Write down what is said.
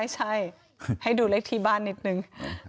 ให้ดูเลขที่บ้านนิดนึง